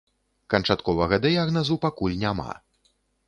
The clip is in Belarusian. Канчатковага дыягназу пакуль няма.